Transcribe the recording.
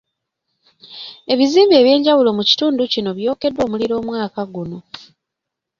Ebizimbe eby'enjawulo mu kitundu kino byokyeddwa omuliro omwaka guno.